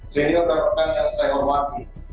senior dan berkan yang saya hormati